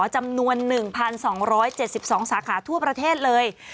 จำนวน๑๒๗๒สาขาทั่วประเทศเลย